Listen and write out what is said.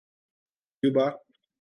Cuba